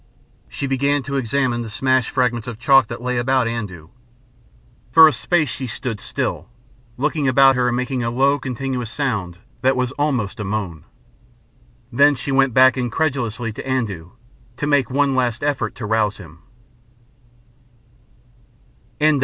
She began to examine the smashed fragments of chalk that lay about Andoo. For a space she stood still, looking about her and making a low continuous sound that was almost a moan. Then she went back incredulously to Andoo to make one last effort to rouse him.